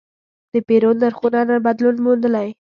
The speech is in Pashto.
د پیرود نرخونه نن بدلون موندلی.